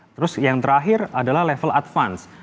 terus yang terakhir adalah level advance